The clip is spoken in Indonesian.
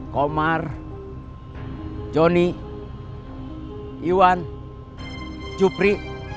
komar jonny iwan jupri